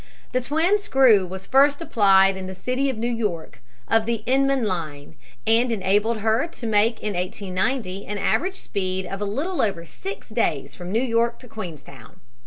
The twin screw was first applied in the City of New York, of the Inman line, and enabled her to make in 1890 an average speed of a little over six days from New York to Queenstown.